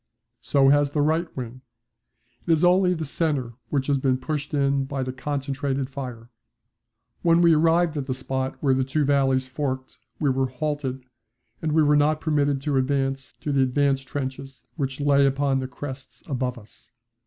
So has the right wing. It is only the centre which has been pushed in by the concentrated fire. When we arrived at the spot where the two valleys forked we were halted, and we were not permitted to advance to the advance trenches which lay upon the crests above us.